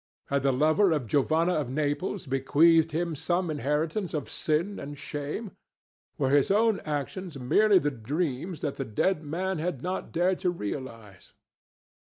Had the lover of Giovanna of Naples bequeathed him some inheritance of sin and shame? Were his own actions merely the dreams that the dead man had not dared to realize?